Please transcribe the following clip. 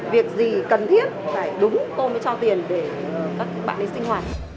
việc gì cần thiết phải đúng cô mới cho tiền để các bạn ý sinh hoạt